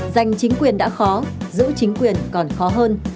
giành chính quyền đã khó giữ chính quyền còn khó hơn